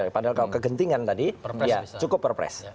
padahal kalau kegentingan tadi cukup pr press